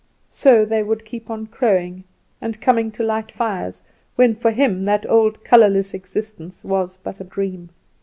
So they would keep on crowing, and coming to light fires, when for him that old colourless existence was but a dream.